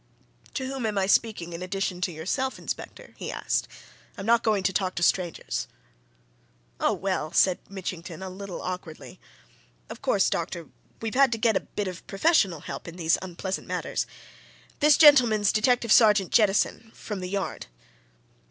"To whom am I speaking, in addition to yourself, Inspector?" he asked. "I'm not going to talk to strangers." "Oh, well!" said Mitchington, a little awkwardly. "Of course, doctor, we've had to get a bit of professional help in these unpleasant matters. This gentleman's Detective Sergeant Jettison, from the Yard."